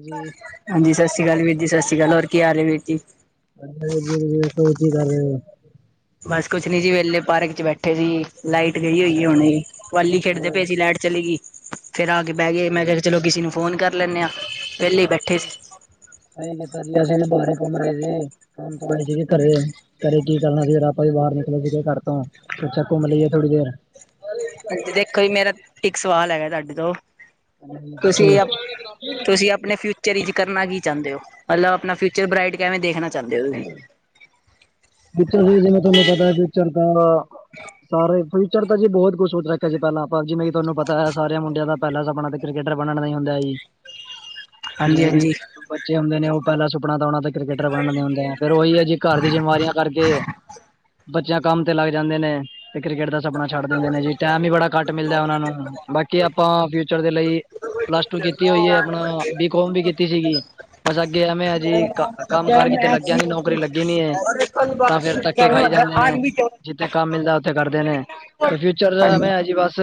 ਜੀ ਹਾਂਜੀ, ਸਤਿ ਸ਼੍ਰੀ ਅਕਾਲ ਵੀਰ ਜੀ ਸਤਿ ਸ਼੍ਰੀ ਅਕਾਲ ਹੋਰ ਕੀ ਹਾਲ ਵੀਰ ਜੀ। ਹਾਂਜੀ-ਹਾਂਜੀ, ਦੱਸੋ ਕੀ ਕਰ ਰਹੇ ਹੋ? ਬਸ ਕੁਛ ਨੀ ਜੀ ਵਿਹਲੇ ਪਾਰਕ ਚ ਬੈਠੇ ਸੀ ਲਾਈਟ ਗਈ ਹੋਈ ਹੁਣੇ। ਵੀ ਖੇਡਦੇ ਪਏ ਸੀ ਲਾਈਟ ਚਲੇ ਗਈ ਫੇਰ ਆ ਕੇ ਬਹਿ ਗਏ ਮੈਂ ਕਿਹਾ ਸਹੀ ਚਲੋ ਕਿਸੇ ਨੂੰ ਫੋਨ ਕਰ ਕਰ ਲੈਂਦੇ ਹਾਂ, ਵਿਹਲੇ ਬੈਠੇ ਸੀ। ਸਹੀ ਕੀਤਾ ਜੀ ਅਸੀਂ ਬਾਹਰ ਘੁੰਮ ਰਹੇ ਸੀ ਕੰਮ ਤੋਂ ਆਏ ਸੀ ਘਰੇ। ਘਰੇ ਕੀ ਕਰਨਾ ਸੀ ਫਿਰ ਆਪਾਂ ਵੀ ਬਾਹਰ ਨਿਕਲੇ ਸੀਗੇ ਘਰ ਤੋਂ ਸੋਚਿਆ ਘੁੰਮ ਲਈਏ ਥੋੜ੍ਹੀ ਦੇਰ। ਹਾਂਜੀ, ਦੇਖੋ ਜੀ ਮੇਰਾ ਇੱਕ ਸਵਾਲ ਹੈਗਾ ਤੁਹਾਡੇ ਤੋਂ, ਤੁਸੀਂ ਅ, ਤੁਸੀਂ ਆਪਣੇ ਫਿਊਚਰ ਜ਼ਿੰਦਗੀ ਚ ਕਰਨਾ ਕੀ ਚਾਹੁੰਦੇ ਹੋ, ਮਤਲਬ ਆਪਣਾ ਫਿਊਚਰ ਬਰਾਈਟ ਕਿਵੇਂ ਦੇਖਣਾ ਚਾਹੁੰਦੇ ਹੋ ਤੁਸੀਂ। ਫਿਊਚਰ ਜ ਜਿਵੇਂ ਤੁਹਾਨੂੰ ਪਤਾ ਫਿਊਚਰ ਤਾਂ, ਸਾਰੇ ਫਿਊਚਰ ਤਾਂ ਜੀ ਬਹੁਤ ਕੁਛ ਕੁਦਰਤੀ ਹੈ ਜੀ ਪਹਿਲਾਂ ਜਿਵੇਂ ਹੈ ਕੀ ਤੁਹਾਨੂੰ ਪਤਾ ਹੈ ਸਾਰਿਆਂ ਮੁਡਿਆਂ ਦਾ ਪਹਿਲਾਂ ਸਪਣਾ ਆਪਣਾ ਕ੍ਰਿਕਟਰ ਬਣਨ ਹੁੰਦਾ ਹੈ ਜੀ, ਹਾਂਜੀ ਜਿਵੇਂ ਹਾਂਜੀ ਬੱਚੇ ਹੁੰਦੇ ਨੇ ਉਹ ਪਹਿਲਾਂ ਸੁਪਨਾ ਤਾਂ ਆਉਣਾ ਤ ਕ੍ਰਿਕਟਰ ਬਣਣ ਦਾ ਹੁੰਦੇ ਆ, ਫਿਰ ਉਹੀ ਹੈ ਜੀ ਘਰ ਦੀ ਜਿੰਮੇਵਾਰੀਆਂ, ਕਰਕੇ, ਬੱਚਿਆਂ ਕੰਮ ਤੇ ਲੱਗ ਜਾਂਦੇ ਨੇ। ਕ੍ਰਿਕਟ ਦਾ ਸਪਨਾ ਛੱਡ ਦਿੰਦੇ ਨੇ ਜੀ ਟਾਈਮ ਵੀ ਬੜਾ ਘੱਟ ਮਿਲਦਾ ਉਹਨਾਂ ਨੂੰ ਬਾਕੀ ਆਪਾਂ ਫਿਊਚਰ ਦੇ ਲਈ ਪਲੱਸ ਟੂ ਕੀਤੀ ਹੋਈ ਹੈ, ਆਪਣਾ ਬੀਕਮ ਵੀ ਕੀਤੀ ਸੀਗੀ। ਬਸ ਅੱਗੇ ਐਵੇਂ ਆ ਜੀ ਕੰਮ- ਕਾਰ ਕਿਤੇ ਲੱਗਿਆ ਨੀ ਨੌਕਰੀ ਲੱਗੀ ਨੀ ਇਹ ਮ ਤਾਂ ਫੇਰ ਧੱਕੇ ਖਾਈ ਜਾਂਦੇ ਨੇ। ਜਿੱਥੇ ਕੰਮ ਮਿਲਦਾ ਉੱਥੇ ਕਰਦੇ ਨੇ ਤੇ ਫਿਊਚਰ ਦ ਆਦਮੀ ਐਵੇਂ ਹੈ ਜੀ ਬਸ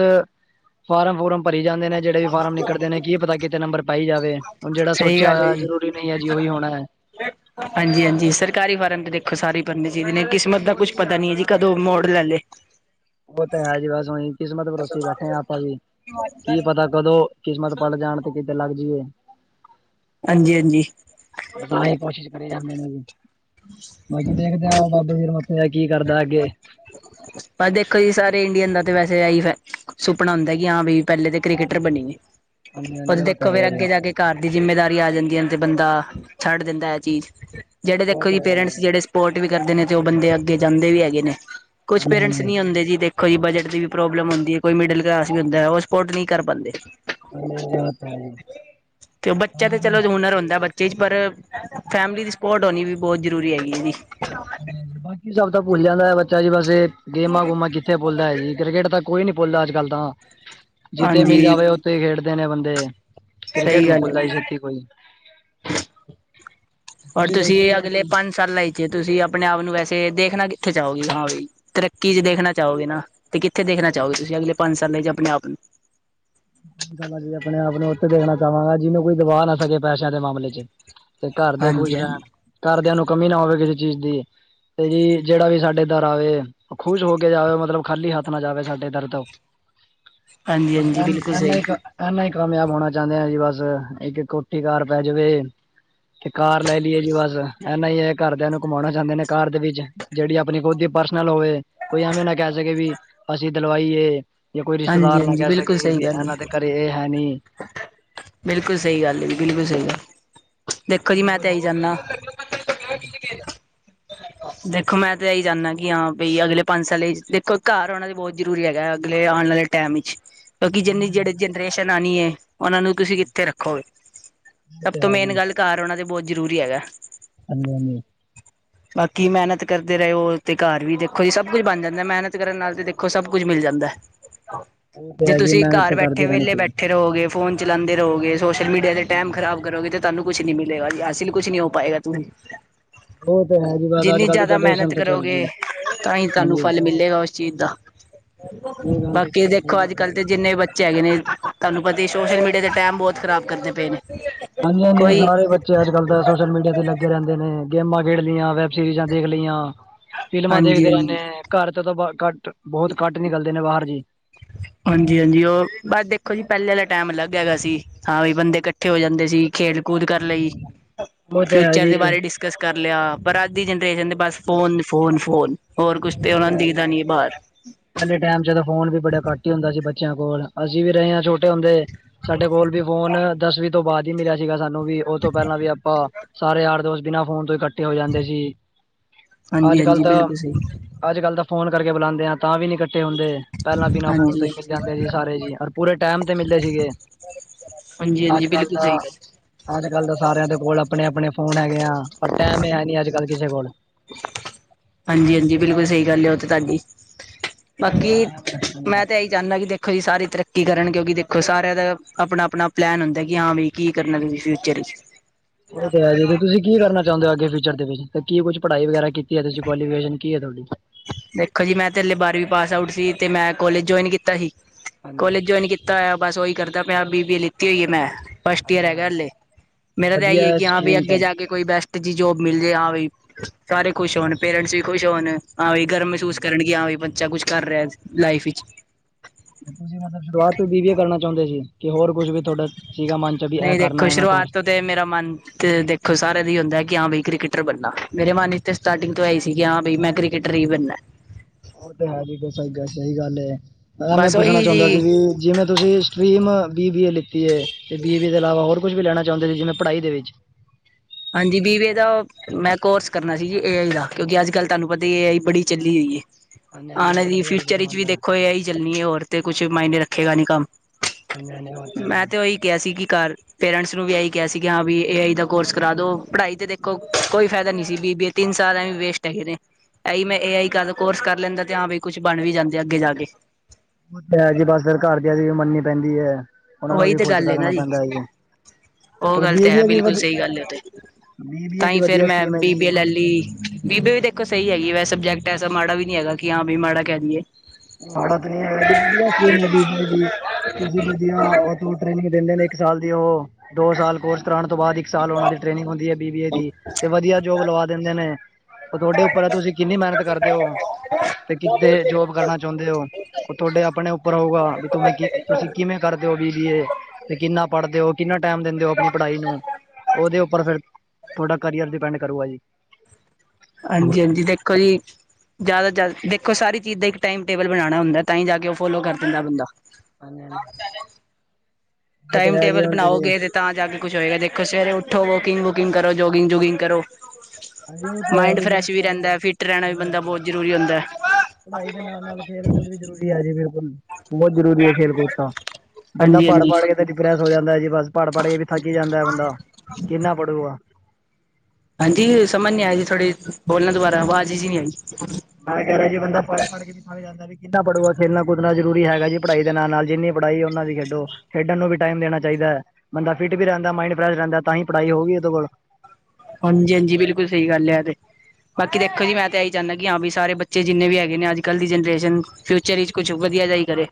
ਫਾਰਮ-ਫਰਮ ਭਰੀ ਜਾਂਦੇ ਨੇ ਜਿਹੜੇ ਵੀ ਫਾਰਮ ਨਿਕਲਦੇ ਨੇ ਕੀ ਪਤਾ ਕਿਤੇ ਨੰਬਰ ਪਾਈ ਜਾਵੇ। ਹੁਣ ਜਿਹੜਾ ਸਹੀ ਸੋਚਿਆ ਜ਼ਰੂਰੀ ਨਹੀਂ ਹੈ ਜੀ ਉਹੀ ਹੋਣਾ ਹੈ। ਲ [unintelligible] ਹਾਂਜੀ-ਹਾਂਜੀ ਸਰਕਾਰੀ ਫਾਰਮ ਤੇ ਦੇਖੋ ਸਾਰੇ ਭਰਨੇ ਚਾਹੀਦੇ ਨੇ ਕਿਸਮਤ ਦਾ ਕੁਛ ਪਤਾ ਨੀ ਹੈ ਜੀ ਕਦੋਂ ਮੋੜ ਲੈ ਲਏ। ਉਹ ਤਾਂ ਹੈ ਜੀ ਬਸ ਉ ਕਿਸਮਤ ਭਰੋਸੀ ਬੈਠੇ ਹ ਆਪਾਂ ਵੀ ਕੀ ਪਤਾ ਕਦੋਂ ਕਿਸਮਤ ਪਲਟ ਜਾਣ ਤੇ ਕਿਤੇ ਲੱਗ ਜਾਈਏ। ਹਾਂਜੀ-ਹਾਂਜੀ। ਤਾਹੀ ਕੋਸ਼ਿਸ਼ ਕਰੇ ਜਾਂਦੇ ਨੇ ਜ ਬਾਕੀ ਦੇਖਦੇ ਆ ਬਾਬੇ ਜਿਰ ਜਾਂ ਕੀ ਕਰਦਾ ਅੱਗੇ? ਭਾਈ ਦੇਖੋ ਜੀ ਸਾਰੇ ਇੰਡੀਅਨ ਦਾ ਤੇ ਵੈਸੇ ਇਹੀ ਸੁਪਨਾ ਹੁੰਦਾ ਕਿ ਹਾਂ ਬਈ ਪਹਿਲੇ ਤਾਂ ਕ੍ਰਿਕਕੇਟਰ ਬਣਿਏ। ਹਾਂਜੀ ਉਹ ਹਾਂਜੀ ਤੇ ਆਹ ਤਾਂ ਦੇਖੋ ਫੇਰ ਹੈਗਾ ਜੀ। ਅੱਗੇ ਜਾ ਕੇ ਘਰ ਦੀ ਜਿੰਮੇਦਾਰੀ ਆ ਜਾਂਦੀ ਹੈ ਤੇ ਬੰਦਾ ਛੱਡ ਦਿੰਦਾ ਇਹ ਚੀਜ਼ ਜਿਹੜੇ ਉਹ ਦੇਖੋ ਤਾਂ ਜੀ ਹੈ ਪੇਰੈਂਟਸ ਜਿਹੜੇ ਪੋਰਟ ਵੀ ਕਰਦੇ ਨੇ ਤੇ ਉਹ ਬੰਦੇ ਅੱਗੇ ਜਾਂਦੇ ਵੀ ਹੈਗੇ ਨੇ ਕੁਛ ਹਾਂਜੀ ਪੇਰੈਂਟਸ ਹਾਂਜੀ ਨੀ ਹੁੰਦੇ ਜੀ ਦੇ ਕੋਈ ਬਜਟ ਦੀ ਵੀ ਪ੍ਰੋਬਲਮ ਹੁੰਦੀ, ਕੋਈ ਮਿਡਲ ਕਲਾਸ ਵੀ ਹੁੰਦਾ ਉਹ ਸਪੋਰਟ ਨਹੀਂ ਕਰ ਪਾਉਂਦੇ। ਹਾਂਜੀ ਉਹ ਤਾਂ ਹੈ ਜੀ। ਤੇ ਉਹ ਬੱਚਾ ਤੇ ਚਲੋ ਹਾਂਜੀ ਹੁਨਰ ਹੁੰਦਾ। ਚੀਜ਼ ਪਰ ਫੈਮਿਲੀ ਦੀ ਸਪੋਟ ਹੋਣੀ ਵੀ ਬਹੁਤ ਜ਼ਰੂਰੀ ਹੈਗੀ ਇਹਦੀ। ਹਾਂ-ਹਾਂਜੀ ਬਾਕੀ ਸਭ ਤਾਂ ਭੁੱਲ ਜਾਂਦਾ ਬੱਚਾ ਜੀ ਬਸੇ ਗੇਮਾਂ-ਗੁਮਾਂ ਕਿੱਥੇ ਭੁਲਦਾ ਹੈ ਜੀ ਕ੍ਰਿਕਟ ਤਾਂ ਕੋਈ ਨੀ ਭੋਲ ਅੱਜ-ਕੱਲ ਤਾਂ ਜਿੱਥੇ ਮਿਲ ਹਾਂਜੀ ਜਾਵੇ ਉੱਥੇ ਖੇਡਦੇ ਨੇ ਬੰਦੇ। ਕ੍ਰਿਕੇਟ ਸਹੀ ਨੀ ਗੱਲ ਭੁੱਲਦਾ ਜੀ ਹੈ ਛੇਤੀ ਕੋਈ। ਪਰ ਤੁਸੀਂ ਇਹ ਅਗਲੇ ਪੰਜ ਸਾਲਾ ਚ ਤੁਸੀਂ ਆਪਣੇ ਆਪ ਨੂੰ ਵੈਸੇ ਦੇਖਣਾ ਕਿੱਥੇ ਚਾਹੋਗੇ ਹਾਂ ਬਈ ਤਰੱਕੀ ਚ ਦੇਖਣਾ ਚਾਹੋਗੇ ਨਾ। ਤੇ ਕਿੱਥੇ ਦੇਖਣਾ ਚਾਹੋਗੇ ਤੁਸੀਂ ਅਗਲੇ ਪੰਜ ਸਾਲਾਂ ਚ ਆਪਣੇ-ਆਪ ਨੂੰ? ਜੀ ਆਪਣੇ-ਆਪ ਨੂੰ ਉੱਥੇ ਦੇਖਣਾ ਚਾਹਾਂਗਾ ਜਿਹਨੂੰ ਕੋਈ ਦਬਾ ਨਾ ਸਕੇ ਪੈਸਿਆਂ ਦੇ ਮਾਮਲੇ ਚ। ਤੇ ਘਰਦਿਆਂ ਖੁਸ਼ ਹਾਂਜੀ ਰਹਿਣ, ਹਾਂਜੀ ਘਰਦਿਆਂ ਨੂੰ ਕਮੀ ਨਾ ਹੋਵੇ ਕਿਸੇ ਚੀਜ਼ ਦੀ। ਤੇ ਜੀ ਜਿਹੜਾ ਵੀ ਸਾਡੇ ਇਧਰ ਆਵੇ ਉਹ ਖ਼ੁਸ਼ ਹੋ ਕੇ ਜਾਵੇ, ਮਤਲਬ ਖਾਲੀ ਹੱਥ ਨਾ ਜਾਵੇ ਸਾਡੇ ਦਰ ਤੋਂ। ਹਾਂਜੀ-ਹਾਂਜੀ, ਬਿਲਕੁਲ ਸਹੀ। ਇਨਾ ਹੀ ਕਾਮਯਾਬ ਹੋਣਾ ਚਾਹੁੰਦੇ ਆ ਜੀ, ਬਸ ਇੱਕ ਕੋਠੀ ਕਾਰ ਪੈ ਜਾਵੇ। ਤੇ ਕਾਰ ਲੈ ਲਈਏ ਜੀ ਬਸ। ਇਨਾ ਹੀ ਘਰਦਿਆਂ ਨੂੰ ਘੁਮਾਉਣਾ ਚਾਹੁੰਦੇ ਨੇ ਘਰ ਦੇ ਵਿੱਚ ਜਿਹੜੀ ਆਪਣੀ ਖੁਦ ਹੀ ਪਰਸਨਲ ਹੋਵੇ। ਕੋਈ ਐਵੇਂ ਨਾ ਕਹਿ ਸਕੇ ਵੀ ਅਸੀਂ ਦਲਵਾਈਏ ਜਾਂ ਕੋਈ ਹਾਂਜੀ ਰਿਸ਼ਤੇਦਾਰ ਨਾ ਹਾਂਜੀ ਕਹਿ ਸਕੇ ਬਿਲਕੁਲ ਸਹੀ ਗੱਲ ਇਹਨਾਂ ਦੇ ਹੈ ਘਰੇ ਇਹ ਹੈ ਨੀ। ਬਿਲਕੁਲ ਸਹੀ ਗੱਲ ਹੈ ਜੀ, ਬਿਲਕੁਲ ਸਹੀ ਗੱਲ। ਦੇਖੋ ਜੀ ਜਿਵੇਂ ਮੈਂ ਕੋਈ ਤਾਂ ਇਹੀ ਰਿਸ਼ਤੇਦਾਰ ਚਾਹੁੰਦਾ ਹਨ, ਸਮਝੇ ਹ [unintelligible] ਦੇਖੋ ਮੈਂ ਤਾਂ ਇਹੀ ਚਾਹਦਾ ਕਿ ਹਾਂ ਬਈ ਅਗਲੇ ਪੰਜ ਸਾਲੇ ਦੇਖੋ ਘਰ ਉਹਣਾ ਤਾਂ ਬਹੁਤ ਜ਼ਰੂਰੀ ਹੈਗਾ ਅਗ ਤੇ ਆਉਣ ਵਾਲੇ ਟਾਈਮ ਵਿੱਚ ਕਿਉਂਕਿ ਜਿੰਨੀ ਜਿਹੜੇ ਉਹ ਜਨਰੇਸ਼ਨ ਆਉਣੀ ਹੈ। ਉਹਨਾਂ ਨੂੰ ਤੁਸੀਂ ਕਿੱਥੇ ਰੱਖੋਗੇ ਸਭ ਤੇ ਤੋਂ ਹੈ ਮੇਨ ਜੀ ਗੱਲ ਘਾਰ ਉਹਣਾ ਤੇ ਬਹੁਤ ਜ਼ਰੂਰੀ ਹੈਗਾ। ਹਾਂਜੀ- ਹਾਂਜੀ। [unintelligible] ਬਾਕੀ ਮਿਹਨਤ ਕਰਦੇ ਰਹੇ ਹੋ ਤੇ ਘਰ ਵੀ ਦੇਖੋ ਜੀ, ਸਭ ਕੁੱਛ ਬਣ ਜਾਂਦਾ, ਮਿਹਨਤ ਕਰਨ ਨਾਲ ਤੇ ਦੇਖੋ ਸਭ ਕੁਝ ਮਿਲ ਜਾਂਦਾ। ਉਹ ਤੇ ਜੇ ਹੈ ਜੀ ਤੁਸੀਂ ਮਿਹਨਤ ਘਰ ਤਾਂ ਬੈਠੇ ਕਰਦੇ ਰਹਿਣੀ ਵੇਲੇ ਚਾਹੀਦੀ ਬੈਠੇ ਰਹੋਗੇ। ਫੋਨ ਚਲਾਉਂਦੇ ਰਹੋਗੇ ਸੋਸ਼ਲ ਮੀਡੀਆ ਦੇ ਟਾਈਮ ਖ਼ਰਾਬ ਕਰੋਗੇ ਤੇ ਤੁਹਾਨੂੰ ਕੁਛ ਨੀ ਮਿਲੇਗਾ ਅਸੀਂ ਕੁਛ ਨੀ ਹੋ ਪਾਏਗਾ ਤੁਸੀਂ ਉਹ ਤੇ ਹੈ ਜੀ ਬਸ ਅੱਜ ਜਿੰਨੀ ਕੱਲ ਦੀ ਜ਼ਿਆਦਾ ਜਨਰੇਸ਼ਨ ਮਿਹਨਤ ਤਾਂ ਚੱਲ ਜੀ ਕਰੋਗੇ। ਤਾਂ ਹੀ ਤੁਹਾਨੂੰ ਹਾਂਜੀ ਫਲ ਮਿਲੇਗਾ ਉਸ ਚੀਜ਼ ਦਾ। ਇਹ ਗ ਤੇ ਕੁਛ ਸ [unintelligible] ਜੰਨੇ ਬੱਚੇ ਹੈਗੇ ਨੇ, ਤੁਹਾਨੂੰ ਪਤਾ, ਸੋਸ਼ਲ ਮੀਡੀਆ ਤੇ ਟਾਈਮ ਬਹੁਤ ਖ਼ਰਾਬ ਕਰਦੇ ਪਏ ਨੇ। ਹਾਂਜੀ-ਹਾਂਜੀ, ਕੋਈ ਸਾਰੇ ਬੱਚੇ। ਅੱਜ-ਕੱਲ੍ਹ ਤਾਂ ਸੋਸ਼ਲ ਮੀਡੀਆ ਤੇ ਲੱਗੇ ਰਹਿੰਦੇ ਨੇ ਗੇਮਾਂ ਖੇਡ ਲਈਆਂ, ਵੈਬ ਸੀਰੀਜਾਂ ਦੇਖ ਲਈਆਂ। ਫ਼ਿਲਮਾਂ ਹਾਂਜੀ ਦੇਖਦੇ ਰਹਿੰਦੇ, ਹਾਂਜੀ ਘਰ ਤੋਂ ਤਾਂ, ਘੱਟ ਬਹੁਤ ਘੱਟ ਨਿਕਲਦੇ ਨੇ ਬਾਹਰ ਜੀ। ਹਾਂਜੀ-ਹਾਂਜੀ, ਉਹ ਬਸ ਦੇਖੋ ਜੀ, ਪਹਿਲੇ ਵਾਲਾ ਟਾਈਮ ਅਲੱਗ ਹੈਗਾ ਸੀ। ਹਾਂ ਵੀ, ਬੰਦੇ ਇਕੱਠੇ ਹੋ ਜਾਂਦੇ ਸੀ। ਖੇਡ ਕੂਦ ਕਰ ਹਾਂਜੀ ਲਈ, ਹਾਂਜੀ ਉਹ ਤੇ ਹੈ ਫਿਊਚਰ ਜੀ ਦੇ ਬਾਰੇਿਸ ਡਿਸਕਸ ਕਰ ਲਿਆ, ਪਰ ਅੱਜ ਦੀ ਜਨਰੇਸ਼ਨ ਦੇ ਬਸ ਫੋਨ, ਫੋਨ, ਫੋਨ! ਹੋਰ ਕੁਛ ਤੇ ਉਹਨਾ ਨੂੰ ਦਿਖਦਾ ਨੀ ਹੈ ਬਾਹਰ। ਪਹਿਲੇ ਟਾਈਮ ਚ ਫੋਨ ਵੀ ਬੜਾ ਘੱਟ ਹੀ ਹੁੰਦਾ ਸੀ। ਬ ਬੱਚਿਆਂ ਕੋਲ ਅਸੀਂ ਵੀ ਰਹੇ ਹਾਂ, ਛੋਟੇ ਹੁੰਦੇ ਸਾਡੇ ਕੋਲ ਵੀ ਫੋਨ ਦਸਵ ਤੋਂ ਬਾਅਦ ਹੀ ਮਿਲਿਆ ਸੀਗਾ ਸਾਨੂੰ ਵੀ! ਉਹ ਤੋਂ ਪਹਿਲਾਂ ਵੀ ਆਪਾਂ ਸਾਰੇ ਯਾਰ-ਦੋਸਤ ਬਿਨਾਂ ਫੋਨ ਤੋਂ ਹੀੱ ੇ ਹੋ ਜਾਂਦੇ ਜੀ, ਅੱਜ-ਕੱਲ ਤਾਂ ੀ [unintelligible] ਅੱਜ-ਕੱਲ ਤਾਂ ਫੋਨ ਕਰਕੇ ਬੁਲਾਉਦੇ ਆ, ਤਾਂ ਵੀ- ਇਕੱਠੇ ਹੁੰਦੇ, ਪਹਿਲਾਂ ਬਿਨਾਂ ਫੋਨ ਤੋਂ ਹਾਂਜੀ ਹੀ ਮਿਲ ਜਾਂਦੇ ਸੀ ਸਾਰੇ ਜੀ, ਰ ਪੂਰੇ ਟਾਈਮ ਤੇ ਮਿਲਦੇ ਸੀਗੇ। ਹਾਂਜੀ-ਹਾਂਜੀ। ਬਿਲਕੁਲ ਸਹੀ ਗੱਲ। ਅੱਜ-ਕੱਲ ਤਾਂ ਸਾਰਿਆਂ ਦੇ ਕੋਲ ਆਪਣੇ-ਆਪਣੇ ਫੋਨ ਹੈਗੇ ਆ, ਪਰ ਟਾਈਮ ਹੈ ਨੀ ਅੱਜ-ਕੱਲ ਕਿਸੇ ਕੋਲ। ਹਾਂਜੀ-ਹਾਂਜੀ, ਬਿਲਕੁਲ ਸਹੀ ਗੱਲ ਹੈ ਉਹ ਤੇ ਤੁਹਾਡੀ! ਬਾਕੀ ਮੈਂ ਤਾਂ ਇ ਚਾਹੁੰਦਾ ਕਿ ਦੇਖੋ ਜੀ, ਸਾਰੀ ਤਰੱਕੀ ਕਰਨ! ਕਿਉਂਕਿ ਦੇਖੋ, ਸਾਰਿਆਂ ਦਾ ਆਪਣਾ-ਆਪਣਾ ਪਲੈਨ ਹੁੰਦਾ ਕਿ ਹਾਂ ਵੀ ਕੀ ਕਰਨਾ ਤੁਸੀਂ ਫਿਊਚਰ ਵਿੱਚ? ਉਹ ਤੇ ਜੇ ਤੁਸੀਂ ਕੀ ਕਰਨਾ ਚਾਹੁੰਦੇ ਹੋ ਅੱਗੇ ਫਿਊਚਰ ਦੇ ਵਿੱਚ, ਤੇ ਕੀ ਕੁਛ ਪੜ੍ਹਾਈ ਵਗੈਰਾ ਕੀਤੀ ਹੈ ਤੁਸੀ, ਕੁਆਲੀਫਿਕ ਹੈ ਤੁਹਾਡੀ? ਦੇਖੋ ਜੀ, ਮੈਂ ਤੇ ਹਾਲੇ ਬਾਰਵੀਂ ਪਾਸ ਆਊਟ ਸੀ ਤੇ ਮੈਂ ਕੋਲੇਜ ਜੁਆਇਨ ਕੀਤਾ ਸੀ, ਹਾਂਜੀ ਕੋਲੇਜ ਜੁਆਇਨ ਕੀਤਾ ਤਾ ਹੋਇਆ, ਬਸ ਓਹੀ ਕਰਦਾ ਪਿਆ, ਬੀ ਬੀ ਏ ਲਿੱਤੀ ਹੋਈਏ ਮੈਂ। ਫਸਟ ਈਅਰ ਹਾਂਜੀ ਹੈਗਾ ਹਾਂਜੀ। ਹਲੇ ਮੇਰਾ, ਤਾਂ ਇਹੀ ਵਧੀਆ ਹੈ ਕਿ ਹਾਂ ਸਟਰੀਮ ਅੱਗੇ ਤਾਂ। ਜਾ ਕੇ ਕੋਈ ਬੈਸਟ ਜਿ ਜੋਬ ਮਿਲ ਜਾੇ, ਹਾਂ ਵੀ ਸਾਰੇ ਖੁਸ਼ ਹੋਣ, ਪੇਰੈਂਟਸ ਵੀ ਖੁਸ਼ ਹੋਣ, ਹਾਂ ਗਰਵ ਮਹਿਸੂਸ ਕਰਨਗੇ, ਹਾਂ ਵੀ ਬੱਚਾ ਕੁਛ ਕਰ ਰਿਹਾ ਲਾਈਫ ਵਿੱਚ। ਤੁਸੀਂ ਮਤਲਬ ਸ਼ੁਰੂਆਤ ਤੋਂ ਕੀ ਕੀ ਕਰਨਾ ਚਾਹੁੰਦੇ ਜੇ, ਕਿ ਹੋਰ ਕੁਛ ਵੀ ਤੁਹਾਡਾ? ਸੀਗਾ ਮਨ ਚ ਵੀ, ਐਂ ਨਹੀਂ ਦੇਖੋ ਕਰਨਾ ਹੈ ਮੈਂ ਕੋਰ ਸ਼ੁਰੂਆਤ ਤੋਂ ਤੇ ਮਰਾ ਮਨ ਤੇ ਦੇਖੋ, ਸਾਰਿਆਂ ਦਾ ਹੁੰਦਾ ਕਿ ਹਾਂ ਬ ਕ੍ਰਿਕਟਰ ਬਣਨਾ, ਮੇਰੇ ਮਨ ਚ ਸਟਾਰਟਿੰਗ ਤੋਂ ਆਈ ਸੀਗੀ, ਹਾਂ ਬ, ਮੈਂ ਕ੍ਰਿਕਟਰ ਹੀ ਬਣਨਾ! ਹੋਰ ਤੇ ਹੈ ਜੀ, ਸ ਸਹੀ ਗੱਲ, ਮੈਂ ਬਸ ਪੁੱਛਣਾ ਉਹੀ ਚਾਹੁੰਦਾ ਜੀ ਸੀ ਵੀ ਜਿਵੇਂ ਤੁਸੀਂ ਸਟਰੀਮ ਬੀ ਬੀ ਏ ਲਿੱਤੀ ਹੈ। ਤੇ ਬੀ ਬੀ ਏ ਦੇ ਇਲਾਵਾ ਹੋਰ ਕੁਛ ਵੀ ਲੈਣਾ ਚਾਹੁੰਦੇ ਸੀ, ਜਿਵੇਂ ਪੜ੍ਹਾਈ ਦੇ ਵਿੱਚ? ਹਾਂਜੀ, ਬੀਵੇ ਦਾ ਮੈਂ ਕੋਰਸ ਕਰਨਾ ਸੀ ਜੀ ਏ ਆਈ ਦਾ, ਕਿਉਂਕਿ ਅੱਜ-ਕੱਲ੍ਹ ਤੁਹਾਨੂੰ ਪਤਾ ਏ ਆਈ ਬੜੀ ਚੱਲੀ ਹੋਈ ਹੈ। ਹਾਂਜੀ ਹਾਂਜੀ ਆਨ ਅੱਜ ਅਲੀ ਦੀ ਕੱਲ ਏ ਆਈ ਦਾ ਫਿਊਚਰ ਵਿਚ ਵੀ ਜ਼ਮਾਨਾ ਹੈ। ਦੇਖੋ ਇਹ ਹੀ ਚੱਲਣੀ ਹੈ, ਹੋਰ ਤੇ ਕੁਛ ਮਾਇਨੇ ਰੱਖੇਗਾ ਨੀ ਕੰਮ। ਹਾਂਜੀ ਹਾਂਜੀ ਉਹ ਹੈ ਮੈਂ ਜੀ। ਤੇ ਉਹੀ ਕਿਹਾ ਸੀ ਕਿ ਘਰ ਪੇਰੈਂਟਸ ਨੂੰ ਵੀ ਇਹੀ ਕਿਹਾ ਸੀ, ਕਿ ਹਾਂ ਵੀ ਏ ਆਈ ਦਾ ਕੋਰਸ ਕਰਾ ਦੋ, ਪੜ੍ਹਾਈ ਤੇ ਦੇਖੋ ਕੋਈ ਫਾਇਦਾ ਨੀ ਸੀ। ਬੀ ਬੇ ਤਿੰਨ ਸਾਲ ਐ ਵੀ ਵੇਸਟ ਹੈਗੇ ਨੇ। ਇਹੀ ਮੈਂ ਏ ਆਈ ਕਦ ਕੋਰਸ ਕਰ ਲੈਂਦਾ, ਤੇ ਹ ਬ ਕੁਛ ਬਣ ਵੀ ਜਾਂਦੇ ਅੱਗੇ ਜਾ ਕੇ। ਜੀ ਬਸ ਫਿਰ ਘਰਦਿਆਂ ਦੀ ਵੀ ਮੰਨਨੀ ਪੈਂਦੀ ਹੈ, ਉਹਨਾ ਨੂੰ ਉਹੀ ਵੀ ਤੇ ਖੁਸ਼ ਗੱਲ ਹੈ ਨਾ ਕਰਣਾ ਪੈਂਦਾ ਹੈ ਜੀ। ਉਹ ਚਲੋ ਗੱਲ ਬੀ ਤੇ ਬੀ ਹੈ, ਏ ਵੀ ਬਿਲਕੁਲ ਵਧ ਸਹੀ ਗੱਲ ਹੈ ਤੇ- ਬੀ ਬੀ ਏ ਤਾਂ ਵੀ ਹੀ ਫੇਰ ਵਧੀਆ ਮੈਂ ਸਟਰੀਮ ਹੈ ਬੀ ਬੀ ਜੀ। ਲੈ ਲਈ, ਬੀਬੇ ਵੀ ਦੇਖ ਸਹੀ ਹੈਗੀ, ਵਸ ਸਬਜੈਕਟ ਐਸਾ ਮਾੜਾ ਵੀ ਨਹੀਂੀ ਹੈਗਾ ਕਿ ਹਾਂ ਵੀ ਮਾੜਾ ਕਹਿਿੰਦੀਏ। ਮਾੜਾ ਤੇ ਨਹੀ ਹੈ ਗਾ ਜੀ ਕਿਹਾ ਸੀ ਮੈ ਬੀਜੀ ਬੀਜੀ ਏ ਬੀਜੀ ਬੀਜੀ ਏ [inaudible] ਉਹ ਤੂੰ ਟ੍ਰੇਨਿੰਗ ਦਿੰਦੇ ਨੇ, ਇੱਕ ਸਾਲ ਦੀ ਉਹ ਦੋ ਸਾਲ ਕੋਰਸ ਕਰਾਉਣ ਤੋਂ ਬਾਅਦ ਇੱਕ ਸਾਲ ਉਹਨਾਂ ਦੀ ਟ੍ਰੇਨਿੰਗ ਹੁੰਦੀ ਹੈ। ਬ ਦੀ ਤੇ ਵਧੀਆ ਜੋਬ ਲਵਾ ਦਿੰਦੇ ਨੇ, ਉਹ ਤੁਹਾਡੇ ਉੱਪਰ ਤੁਸੀਂ ਕਿੰਨੀ ਮਿਹਨਤ ਕਰਦੇ ਹੋ। ਤੇ ਕਿਤੇ ਜੋਬ ਕਰਨਾ ਚਾਹੁੰਦੇ ਹੋ ਉਹ ਤੁਹਾਡੇ ਆਪਣੇ ਉੱਪਰ ਹੋਊਗਾ ਵੀਂ ਕਿ ਤੁਸੀਂ ਕਿਵੇਂ ਕਰਦੇ ਹੋ ਬੀਬੀਏ ਤੇ ਕਿੰਨਾ ਪੜ੍ਹਦੇ ਹੋ ਕਿੰਨਾ ਟਾਈਮ ਦਿੰਦੇ ਹੋ ਆਪਣੀ ਪੜ੍ਹਾਈ ਨੂੰ ਉਹਦੇ ਉੱਪਰ ਫਿਰ ਤੁਹਾਡਾ ਕਰੀਅਰ ਡਿਪੈਂਡ ਕਰੂਗਾ ਜੀ ਹਾਂਜੀ ਹਾਂਜੀ ਦੇਖੋ ਜੀ ਜ਼ਿਆਦਾ ਜ਼ਿਆਦਾ ਦੇਖੋ ਸਾਰੀ ਚੀਜ਼ ਦਾ ਇੱਕ ਟਾਈਮ ਟੇਬਲ ਬਣਾਉਣਾ ਹੁੰਦਾ ਤਾਂ ਹੀ ਜਾ ਕੇ ਉਹ ਫੋਲੋ ਕਰ ਦਿੰਦਾ ਬੰਦਾ ਮਨ ਟਾਈਮ ਟੇਬਲ ਹੁਣ ਤੁਸੀਂ ਬਣਾਓਗੇ ਤਾਂ ਜਾ ਕੇ ਕੁੱਛ ਹੋਏਗਾ ਦੇਖੋ ਸਵੇਰੇ ਉੱਠੋ ਵੋਕਿੰਗ ਵੂਕਿੰਗ ਕਰੋ ਜੋਗਿੰਗ ਜੋੁਗਿੰਗ ਕਰੋ ਹਾਂਜੀ ਉਹ ਤਾਂ ਹੈ ਮਾਇੰਡ ਜੀ ਜਿਵੇਂ ਫਰੈਸ਼ ਵੀ ਪੜ੍ਹਾਈ ਰਹਿੰਦਾ ਫਿੱਟ ਰਹਿਣਾ ਵੀ ਹਾਂਜੀ ਬੰਦਾ ਹਾਂਜੀ ਬਹੁਤ ਜ਼ਰੂਰੀ ਹੁੰਦਾ ਹੈ ਪੜ੍ਹਾਈ ਦੇ ਨਾਲ ਨਾਲ ਖੇਲ ਕੂਦ ਵੀ ਜ਼ਰੂਰੀ ਹੈ ਜੀ ਬਿਲਕੁਲ ਬਹੁਤ ਜ਼ਰੂਰੀ ਹੈ ਖੇਲ ਕੂਦ ਤਾਂ ਬੰਦਾ ਹਾਂਜੀ ਪੜ ਹਾਂਜੀ ਪਾੜ ਕੇ ਡਿਪਰੈਸ ਹੋ ਜਾਂਦਾ ਜੀ ਬਸ ਪੜ ਪੜ ਕੇ ਵੀ ਥੱਕ ਹੀ ਜਾਂਦਾ ਬੰਦਾ ਕਿੰਨਾ ਪੜੂਗਾ ਹਾਂਜੀ ਸਮਝ ਨੀ ਆਇ ਜੀ ਥੋੜ੍ਹੇ ਬੋਲਣਾ ਦੁਬਾਰਾਵਾਜ਼ ਜੀ ਨਹੀਂੀ ਆ ਮੈਂ ਕਹਿ ਰਿਹਾ ਕਿ ਬੰਦਾ ਪੜ੍ ਪੜ੍ ਕੇ ਵੀ ਥੱਕ ਜਾਂਦਾ ਬਦਾ ਵੀ ਕਿੱਨਾ ਪੜ੍ਹੋਗਾ ਖੇਲਣਾ ਕੁਦਨਾ ਜ਼ਰੂ ਹੈਗਾ ਜੀ ਪੜ੍ਹਾਈ ਦੇ ਨਾਲ ਜਿੰਨੀ ਪੜ੍ਹਾਈ ਉਹਨਾ ਵੀ ਖੇਡੋ ਖੇਡਣ ਨੂੰ ਵੀ ਟਾਈਮ ਦੇਣਾ ਚਾਹੀਦਾ ਹੈ ਬੰਦਾ ਫਿਟ ਵੀ ਰਹਿੰਦਾ ਮਾਇੰਡ ਫਰੈਸ਼ ਰਹਿੰਦਾ ਤਾਂ ਹੀ ਪੜ੍ਹਾਈ ਹੋਊਗੀ ਉਹਦੇ ਕੋਲ ਹਾਂਜੀ ਹਾਂਜੀ ਬਿਲਕੁਲ ਸਹੀ ਗੱਲ ਹੈ ਇਹ ਤੇ ਬਾਕੀ ਦੇਖੋ ਜੀ ਮੈਂ ਤਾਂ ਇਹੀ ਚਾਹੁੰਦਾ ਕਿ ਹਾਂ ਵੀ ਸਾਰੇ ਬੱਚੇ ਜਿੰਨੇ ਵੀ ਹੈਗੇ ਨੇ ਅੱਜ ਕੱਲ੍ਹ ਦੀ ਜਨਰੇਸ਼ਨ ਫਿਊਚਰ ਵਿੱਚ ਕੁਛ ਵਧੀਆ ਜਾ ਹੀ ਕਰੇ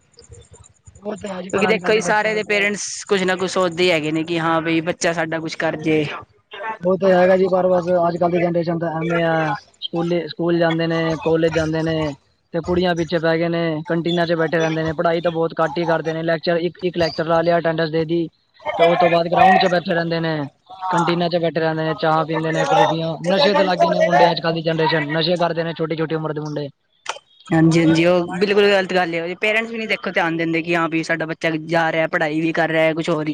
ਉਹ ਤਾਂ ਹੈ ਜੀ ਕਿਉਂਕਿ ਪਰ ਅੱਜ ਦੇਖੋ ਕੱਲ੍ਹ ਜ ਬੱਚੇ ਸਾਰੇ ਦੇ ਮਤਲਬ ਪੇਰੈਂਟਸ ਕੁਛ ਨਾ ਕੁਛ ਸੋਚਦੇ ਹੈਗੇ ਨੇ ਕਿ ਹਾਂ ਬਈ ਬੱਚਾ ਸਾਡਾ ਕੁਛ ਕਰ ਜੇ ਉਹ ਤੇ ਹੈਗਾ ਜੀ ਪਰ ਬਸ ਅੱਜ ਕੱਲ ਦੀ ਜਨਰੇਸ਼ਨ ਤਾਂ ਐਵੇਂ ਆ ਸਕੂਲੀ ਸਕੂਲ ਜਾਂਦੇ ਨੇ ਕੋਲੇਜ ਜਾਂਦੇ ਨੇ ਤੇ ਕੁੜੀਆਂ ਪਿੱਛੇ ਪੈ ਗਏ ਨੇ ਕੰਟੀਨ 'ਚ ਬੈਠੇ ਰਹਿੰਦੇ ਨੇ ਪੜ੍ਹਾਈ ਬਹੁਤੱਟ ਹੀ ਕਰਦੇ ਨੇ ਲੈਕਰ ਇੱਕ ਲੈਕਚਰ ਲਿਆ ਅਟੈਂਡੈਂਸ ਦੇ ਦੀ ਤੇ ਉਸ ਤੋਂ ਬਾਅਦ ਗਰਾਉਂਡ ਚ ਬੈਠੇ ਰਦੇ ਨੇ ਕੰਟੀਨ ਬੈਠੇ ਰਿੰਦੇ ਨੇ ਚਾਹ ਪੀਂਦੇ ਨੇ ਖੋਬੀਆਂ ਨਸ਼ੇ ਤੇ ਲਾਗੀਆਂ ਨੇ ਮੁੰਡਿਆਂ ਚ ਦੀ ਜਨਰੇਸ਼ਨ ਨਸ਼ੇ ਕਰਦੇ ਨੇ ਛੋਟੀ ਛੋਟੀ ਉਮਰ ਦੇ ਮੁੰਡੇ ਹਾਂਜੀ ਹਾਂਜੀ ਉਹ ਬਿਲਕੁਲ ਗਲਤ ਗੱਲ ਉਹਦੇ ਪੇਰੈਂਟਸ ਵੀ ਨੀ ਦੇਖੋ ਧਿਆਨ ਦਿੰਦੇ ਕਿ ਹਾਂ ਵੀ ਸਾਡਾ ਬੱਚਾ ਜਾ ਰਿਹਾ ਪੜ੍ਹਾਈ ਵੀ ਕਰ ਰਿਹਾ ਕੁਛ ਹੋਰ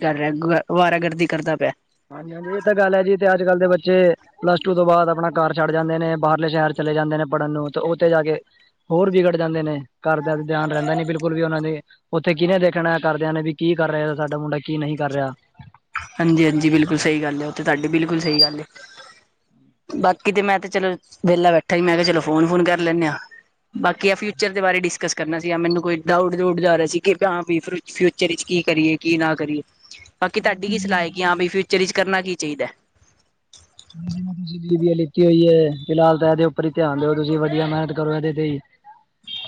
ਅਵਾਰਾ ਗਰਦੀ ਕਰਦਾ ਪਿਆ ਹਾਂਜੀ ਹਾਂਜੀ ਇਹ ਤਾਂ ਗੱਲ ਹੈ ਜੀ ਤੇ ਅੱਜ ਕੱਲ੍ਹ ਦੇ ਬੱਚੇ ਪਲੱਸ ਟੂ ਤੋਂ ਬਾਅਦ ਆਪਣਾ ਘਰ ਛੱਡ ਜਾਂਦੇ ਨੇ ਬਾਹਰਲੇ ਸ਼ਹਿਰ ਚਲੇ ਜਾਂਦੇ ਨੇ ਪੜ੍ਹਨ ਨੂੰ ਤੇ ਉੱਥੇ ਜਾ ਕੇ ਹੋਰ ਵਿਗੜ ਜਾਂਦੇ ਨੇ ਘਰਦਿਆਂ ਧਿਆਨ ਰਹਿੰਦਾ ਨੇ ਬਿਲਕੁਲ ਵੀ ਉਹਨਾਂ ਦੇ ਉੱਥੇ ਕਿਹਨੇ ਦੇਖਣਾ ਕਰਦਿਆਂ ਨੇ ਵੀ ਕੀ ਕਰ ਰਿਹਾ ਸਾਡਾ ਮੁੰਡਾ ਕੀ ਨਹੀਂ ਕਰ ਰਿਹਾ ਹਾਂਜੀ ਹਾਂਜੀ ਬਿਲਕੁਲ ਸਹੀ ਗੱਲ ਉਹਥ ਤੁਹਾਡੀ ਬਿਲਕੁਲ ਸਹੀ ਗੱਲ ਬਾਕੀ ਤੇ ਮੈਂ ਤੇ ਚਲੋ ਵਿਹਲਾ ਬੈਠਾ ਹੀ ਮੈਂ ਕਿਹਾ ਚਲੋ ਫੋਨ ਫੋਨ ਕਰ ਲੈਂੇ ਹਾਂ ਬਾਕੀ ਆ ਫਿਊਚਰ ਦੇ ਬਾਰੇ ਡਿਸਕਸ ਕਰਨਾ ਸੀਗਾ ਮੈਨੂੰ ਕੋਈ ਡਾਊਟ ਦਊਟ ਜਾ ਰਿਹਾ ਸੀ ਕਿ ਭ ਫਿਊਚਰ ਵਿੱਚ ਕੀ ਕਰੀਏ ਕੀ ਨਾ ਕਰੀਏ ਬਾਕੀ ਤੁਹਾਡੀ ਕੀ ਸਲਾਹ ਹੈ ਕਿ ਹਾਂ ਵੀ ਫਿਊਚਰ ਵਿੱਚ ਕਰਨਾ ਕੀ ਚਾਹੀਦਾ ਜਿਵੇਂ ਤੁਸੀਂ ਲਿੱਤੀ ਹੋਈ ਹੈ ਫਿਲਹਾਲ ਤਾਂਹਿ ਦਿ ਰੀ ਧਿਆਨ ਦਿਓ ਤੁਸੀਂ ਵਧੀਆ ਮਿਹਨਤ ਕਰੋ ਇਹਦੇ ਤੇ ਹੀ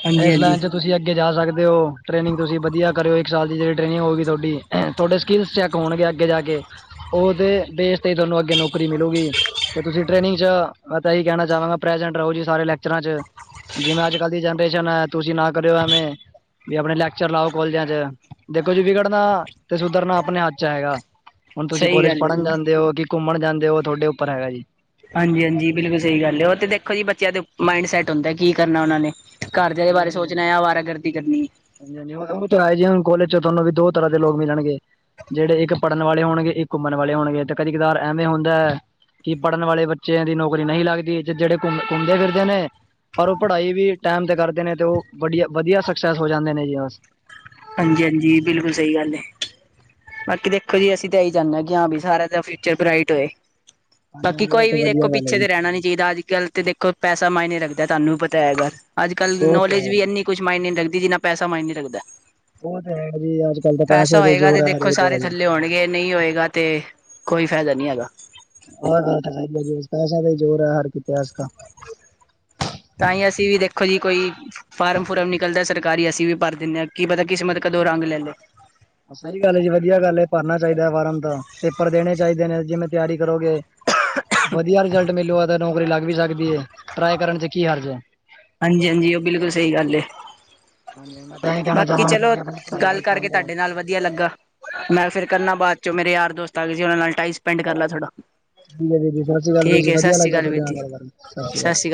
ਹਾਂਜੀ ਇਸ ਹਾਂਜੀ। ਲੈਨ ਚ ਤੁਸੀਂ ਅੱਗੇ ਜਾ ਸਕਦੇ ਹੋ ਟ੍ਰੇਨਿੰਗ ਤੁਸੀਂ ਵਧੀਆ ਕਰਿਓ ਇੱਕ ਸਾਲ ਦੀ ਜਿਹੜੀ ਟ੍ਰੇਨਿੰਗ ਹੋ ਤੁਹਾਡੀ ਤੁਹਾਡੇ ਸਕਿੱਲਸ ਚੈੱਕ ਹੋਣਗੇ ਅੱਗੇ ਜਾ ਕੇ ਉਹਦੇ ਦੇਸ ਤੇ ਤੁਹਾਨੂੰ ਅੱਗੇ ਨੌਕਰੀ ਮਿਲੂਗੀ ਤੇ ਤੁਸੀਂ ਟ੍ਰੇਨਿੰਗ ਚ ਮੈਂ ਤਾਂ ਇਹੀ ਕਹਿਣਾ ਚਾਹਵਾਂਗਾ ਪ੍ਰੈਜੈਂਟ ਰਹੋ ਜੀ ਸਾਰੇ ਲੈਕਚਰਾਂ ਚ ਜਿਵੇਂ ਅੱਜ ਕੱਲ ਦੀ ਜਨਰੇਸ਼ਨ ਹੈ ਤੁਸੀਂ ਨਾ ਕਰਿਓ ਐਵੇਂ ਵੀ ਆਪਣੇ ਲੈਕਚਰ ਲਾਓ ਕੋਾਲਜਾਂ ਚ ਦੇਖੋ ਜੀ ਵਿਗੜਨਾ ਤੇ ਸੁਧਰਨਾ ਆਪਣੇ ਹੱਥ ਚ ਹੈਗਾ ਹੁਣ ਤੁਸੀਂ ਸਹੀ ਕੋਲੇਜ ਗੱਲ ਹੈ ਪੜ੍ਹਨ ਜਾਂਦੇ ਹੋ ਕਿ ਘੁੰਮਣ ਜਾਂਦੇ ਹੋ ਤੁਹਾਡੇ ਉੱਪਰ ਹੈਗਾ ਜੀ ਹਾਂਜੀ ਹਾਂਜੀ ਬਿਲਕੁਲ ਸਹੀ ਗੱਲ ਉਹ ਤੇ ਦੇਖੋ ਜੀ ਬੱਚਿਆਂ ਦੇ ਮਾਇਡ ਸੈਟ ਹੁੰਦਾ ਹੈ ਕੀ ਕਰਨਾ ਉਹਨਾਂ ਨੇ ਘਰਜਿਆਂ ਦੇ ਹਾਂਜੀ ਬਾਰੇ ਹਾਂਜੀ ਸੋਚਣਾ ਆ ਆਵਾਰਾਗਰਦੀ ਕਰਨੀ ਹਾਂਜੀ ਹਾਂਜੀ ਉਹ ਆਏ ਜੀ ਹੁਣ ਕੋਲੇਜ ਚ ਤੁਹਾਨੂੰ ਵੀ ਦੋ ਤਰ੍ਹਾਂ ਦੇ ਲੋਕ ਮਿਲਣਗੇ ਜਿਹੜੇ ਇੱਕ ਪੜ੍ਹਨ ਵਾਲੇ ਹੋਣਗੇ ਇੱਕ ਘੁੰਮਣ ਵਾਲੇ ਹੋਣਗੇ ਤੇ ਕਦੇ ਕਦਾਰ ਐਵੇਂ ਹੁੰਦਾ ਹੈ ਕਿ ਪੜ੍ਹਨ ਵਾਲੇ ਬੱਚਿਆਂ ਦੀ ਨੌਕਰੀ ਨਹੀਂ ਲੱਗਦੀ ਜਿਹੜੇ ਘੁੰਮ ਘੁੰਮਦੇ ਫਿਰਦੇ ਨੇ ਪਰ ਉਹ ਪੜ੍ਹਾਈ ਵੀ ਟਾਈਮ ਤੇ ਕਰਦੇ ਨੇ ਤੇ ਉਹ ਵਧੀਆ ਵਧੀਆ ਸਕਸੈਸ ਹੋ ਜਾਂਦੇ ਨੇ ਜੀ ਬਸ ਹਾਂਜੀ ਜੀ ਬਿਲਕੁਲ ਸਹੀ ਗੱਲ ਹ ਬਾਕੀ ਦੇਖੋ ਜੀ, ਅਸੀਂ ਤਾ ਇਹੀ ਚਾਹੁੰਦੇ ਆ। ਕੀ ਹਾਂ ਬਾਈ ਸਾਰੇਆਂ ਤਾ ਫਿਊਚਰ ਬਰਾਈਟ ਹੋਏ। ਹਾਂਜੀ ਬਾਕੀ ਹਾਂਜੀ ਇਹ ਕੋਈ ਤੇ ਵੀ ਦੇਖੋ, ਵਧੀਆ ਗੱਲ ਹੈ ਪਿੱਛੇ ਜੀ ਤੇ ਰਹਿਣਾ ਨਹੀਂ ਚਾਹੀਦਾ। ਅੱਜਕਲ ਤੇ ਕੋਲ ਪੈਸਾ, ਮਾਇਨੇ ਰੱਖਦਾ ਐ। ਤੁਹਾਨੂੰ ਪਤਾ ਹੈ, ਇਹ ਗੱਲ। ਅੱਜ ਕੱਲ ਉਹ ਤੇ ਨੌਲੇਜ ਹੈ ਵੀ ਜੀ, ਇਨੀ। ਕੁਛ ਮਾਇਨੇ, ਨਹੀਂ ਲੱਗਦੀ। ਜਿਨਾ ਪੈਸਾ ਮਾਈਨੇ ਰੱਖਦਾ ਹੈ। ਉਹ ਤੇ ਹੈ ਜੀ, ਅੱਜ ਕੱਲ੍ਹ ਤਾਂ ਪੈਸੇ ਦੇ ਹੋਏਗਾ ਤੇ ਜੋਰ ਹੈ। ਦੇਖੋ ਸਾਰੇ ਜਗ੍ਹਾ ਚ ਥੱਲੇ, ਵੜਗੇ ਨਹੀਂ ਹੋਏਗਾ। ਤੇ ਕੋਈ ਫਾਇਦਾ ਨਹੀਂ ਹੈਗਾ। [unintelligible] ਤਾਂ ਹੀ, ਅਸੀਂ ਵੀ, ਦੇਖੋ ਜੀ ਕੋਈ। ਫਾਰਮ- ਫੁਰਮ, ਨਿਕਲਦਾ ਸਰਕਾਰੀ। ਅਸੀਂ ਵੀ ਭਰ ਦਿੰਦੇ ਆ। ਕੀ ਪਤਾ, ਕਿਸਮਤ ਕਦੋਂ ਰੰਗ ਲੈ, ਲੇ। ਸਹੀ ਗੱਲ ਹ ਜੀ। ਵਧੀਆ ਗੱਲ ਹੈ। ਭਰਨਾ ਚਾਹੀਦਾ ਫਾਰਨ ਤਾਂ। ਪੇਪਰ ਦੇਣੇ ਚਾਹੀਦੇ ਨੇ, ਜਿਵੇਂ ਤਿਆਰੀ ਕਰੋਗੇ। ਵਧੀਆ ਰਿਜ਼ਲਟ, ਮਿਲੂਗਾ ਤਾ ਨੌਕਰੀ ਲੱਗ ਵੀ, ਸਕਦੀ ਹੈ। ਟਰਾਈ ਕਰਨ ਤੇ ਕੀ ਹਰਜ ਹੈ। ਹਾਂਜੀ- ਹਾਂਜੀ, ਬਿਲਕੁਲ ਸਹੀ ਗੱਲ ਹੈ। ਹਾਂਜੀ ਮੈਂ ਤਾਂ ਇਹ ਕਹਿਣਾ ਬਾਕੀ ਚਾਹਾਂਗਾ ਚਲੋ। ਤੁਸੀਂ ਆਪਣੀ ਪੜ੍ਹਾਈ ਗੱਲ ਵੱਲ ਧਿਆਨ ਕਰਕੇ, ਦਿਓ। ਤੁਹਾਡੇ ਨਾਲ ਵਧੀਆ ਲੱਗਾ। ਮੈਂ ਫੇਰ ਕਰਨਾ, ਬਾਅਦ ਚੋ ਮੇਰੇ ਯਾਰ, ਦੋਸਤ ਆ ਗਏ ਜੀ। ਉਹਨਾਂ ਨਾਲ, ਟਾਈਮ ਸਪੈਂਡ ਕਰ ਲਾ ਥੋੜਾ। ਹਾਂਜੀ, ਵੀਰ ਜੀ। ਸਤਿ ਸ਼੍ਰੀ ਅਕਾਲ ਵੀਰ ਠੀਕ ਜੀ। ਹੈ ਸਤਿ ਵਧੀਆ ਸ਼੍ਰੀ ਲੱਗਾ, ਅਕਾਲ ਤੁਹਾਡੇ ਵੀਰ ਜੀ ਨਾਲ ਗੱਲ ਕਰਕੇ। ਸਤਿ ਸ਼੍ਰੀ ਅਕਾਲ ਜੀ